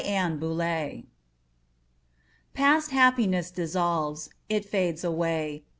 Warren TO A DOG Past happiness dissolves. It fades away.